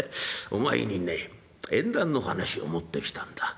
お前にね縁談の話を持ってきたんだ。